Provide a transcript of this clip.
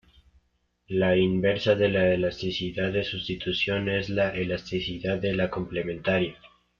La inversa de la elasticidad de sustitución es la elasticidad de la complementaria.